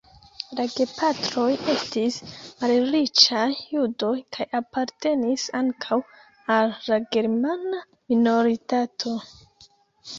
La gepatroj estis malriĉaj judoj kaj apartenis ankaŭ al la germana minoritato.